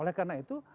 oleh karena itu